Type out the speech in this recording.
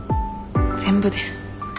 全部です。